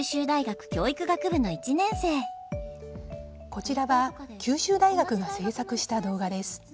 こちらは九州大学が制作した動画です。